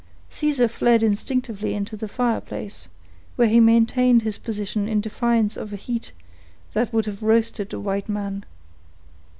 Caesar fled instinctively into the fireplace, where he maintained his position in defiance of a heat that would have roasted a white man.